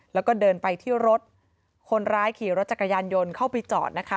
แล้วก็เดินไปที่รถคนร้ายขี่รถจักรยานยนต์เข้าไปจอดนะคะ